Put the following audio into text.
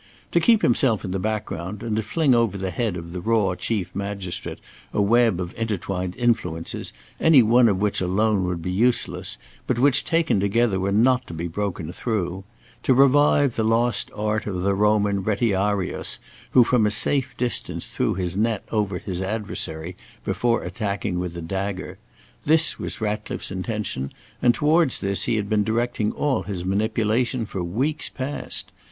To keep himself in the background, and to fling over the head of the raw Chief Magistrate a web of intertwined influences, any one of which alone would be useless, but which taken together were not to be broken through; to revive the lost art of the Roman retiarius, who from a safe distance threw his net over his adversary, before attacking with the dagger; this was Ratcliffe's intention and towards this he had been directing all his manipulation for weeks past.